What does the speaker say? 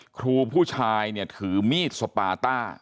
ครูผู้ชายถือมีดสปาตา